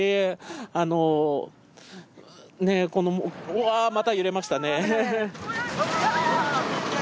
あのうわまた揺れましたね。